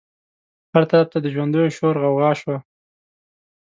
هر طرف ته د ژوندیو شور غوغا شوه.